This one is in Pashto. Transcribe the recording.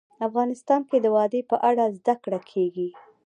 افغانستان کې د وادي په اړه زده کړه کېږي.